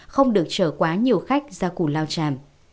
không được chờ quá nhiều khách ra củ lao tràm